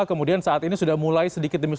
kemudian saat ini sudah mulai sedikit demi